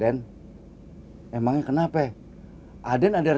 feba yang orang lain tidak bisa dikerjakan sendiri yang kita semua tidak bisa jalanan sendiri tau